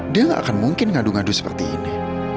dia gak akan mungkin ngadu ngadu seperti ini